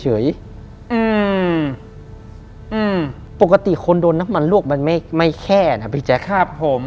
อืมอืมปกติคนโดนน้ำมันลวกมันไม่ไม่แค่นะพี่แจ๊คครับผม